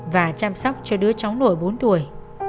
và chăm sóc cho đứa cháu nổi bốn tuổi